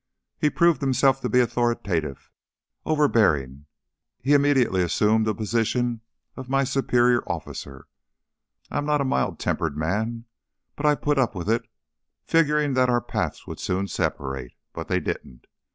He proved himself to be authoritative, overbearing; he immediately assumed the position of my superior officer. I'm not a mild tempered man, but I put up with it, figuring that our paths would soon separate. But they didn't.